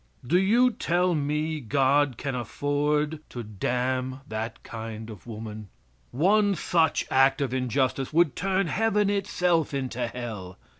Do you tell me God can afford to damn that kind of a woman? One such act of injustice would turn Heaven itself into Hell.